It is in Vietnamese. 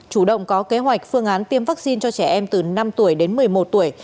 chủ động có kế hoạch phương án tiêm vaccine cho trẻ em từ năm tuổi đến một mươi một tuổi